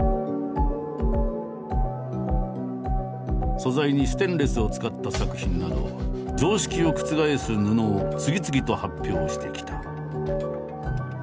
素材にステンレスを使った作品など常識を覆す布を次々と発表してきた。